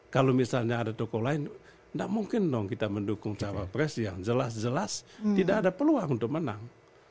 kalau misalnya ada tokoh lain tidak mungkin dong kita mendukung cawapres yang jelas jelas tidak ada peluang untuk menang